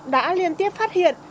đã liên tiếp phát hiện